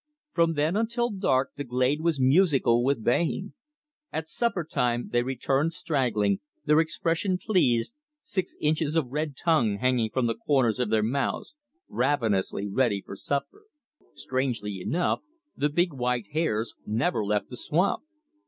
From then until dark the glade was musical with baying. At supper time they returned straggling, their expression pleased, six inches of red tongue hanging from the corners of their mouths, ravenously ready for supper. Strangely enough the big white hares never left the swamp.